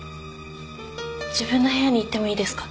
自分の部屋に行ってもいいですか？